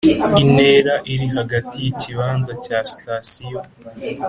Intera iri hagati yikibanza cya sitasiyo